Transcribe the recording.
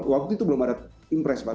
waktu itu belum ada impres pak